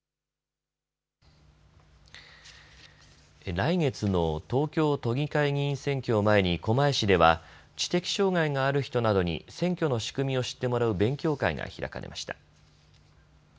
来月の東京都議会議員選挙を前に狛江市では知的障害がある人などに選挙の仕組みを知ってもらう勉強会が開かれました。